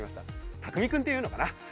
たくみ君っていうのかな。